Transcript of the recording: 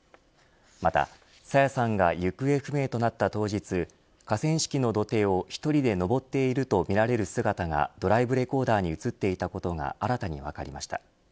また朝芽さんが行方不明となった当日河川敷の土手を１人で登っているとみられる姿がドライブレコーダーに映っていたことが新たに分かりました。